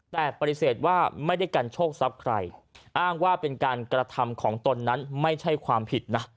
แต่ปฏิเสธว่าไม่ได้กันโชคทรัพย์ใครอ้างว่าเป็นการกระทำของตนนั้นไม่ใช่ความผิดนะ